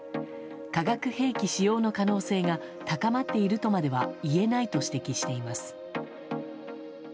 化学兵器使用の可能性が高まっているとまでは言えないと指摘しています。